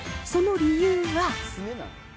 その理由は。